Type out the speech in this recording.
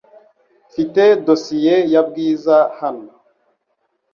Mfite dosiye ya Bwiza hano .